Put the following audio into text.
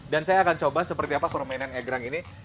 dan saya akan coba seperti apa permainan egrang ini